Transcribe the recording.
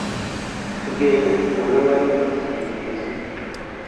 Tugende tutuule wali mu kasiikirize.